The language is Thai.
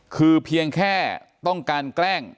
คือเพียงแค่ต้องการแกล้ง